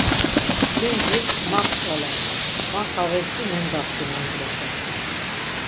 Limci ma mç̌valar, ma xavesli mendaft̆i mandreşa.